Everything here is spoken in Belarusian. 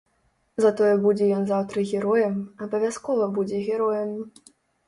Затое будзе ён заўтра героем, абавязкова будзе героем.